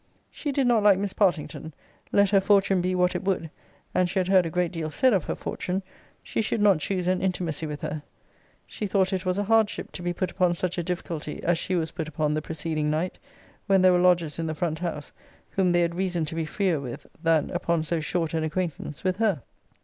She did not like Miss Partington let her fortune be what it would, and she had heard a great deal said of her fortune, she should not choose an intimacy with her. She thought it was a hardship to be put upon such a difficulty as she was put upon the preceding night, when there were lodgers in the front house, whom they had reason to be freer with, than, upon so short an acquaintance, with her.